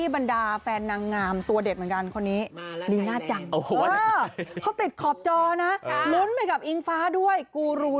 ตรงนางงามตัวเด็ดเหมือนกันคนนี้ลีน่าจังเออเขาติดขอบจอนะครับล้นไปกับอิงฟ้าด้วยกูรู